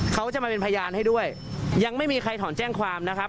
เขาจะมาเป็นพยานให้ด้วยยังไม่มีใครถอนแจ้งความนะครับ